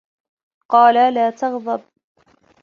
قَالَ لَا تَغْضَبْ